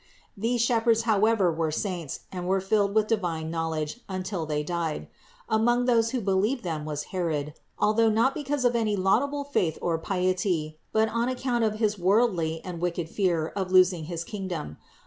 These shepherds however were saints and were filled with divine knowledge until they died. Among those who believed them was Herod, although not because of any laudable faith or piety, but on account of his worldly and wicked fear of losing his kingdom.